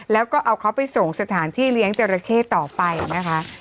แล้วก็เอาเขาไปส่งสถานที่เลี้ยงจราเข้ต่อไปนะคะ